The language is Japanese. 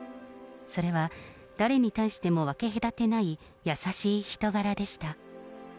それは、誰に対しても分け隔てない優しい人柄でした。